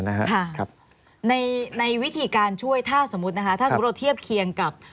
นะครับในวิธีการช่วยถ้าสมมติรถเทียบเคียงกัก